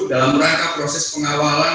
dalam rangka proses pengawalan